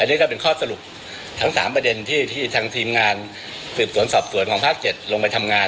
นี่ก็เป็นข้อสรุปทั้ง๓ประเด็นที่ทางทีมงานสืบสวนสอบสวนของภาค๗ลงไปทำงาน